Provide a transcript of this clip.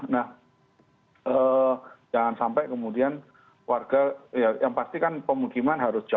nah jangan sampai kemudian warga yang pasti kan pemukiman harus jauh